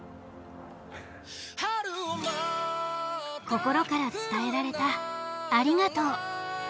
心から伝えられたありがとう。